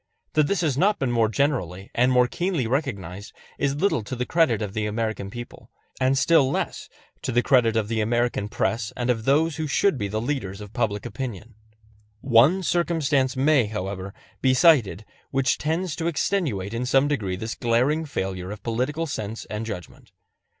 That this has not been more generally and more keenly recognized is little to the credit of the American people, and still less to the credit of the American press and of those who should be the leaders of public opinion. One circumstance may, however, be cited which tends to extenuate in some degree this glaring failure of political sense and judgment.